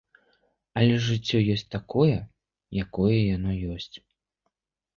Але жыццё ёсць такое, якое яно ёсць.